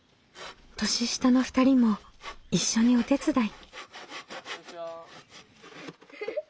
年下の２人も一緒にお手伝い。